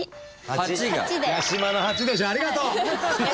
ありがとう！